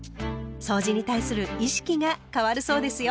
そうじに対する意識が変わるそうですよ。